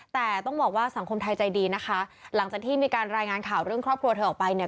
แต่ต้องบอกว่าสังคมไทยใจดีนะคะหลังจากที่มีการรายงานข่าวเรื่องครอบครัวเธอออกไปเนี่ย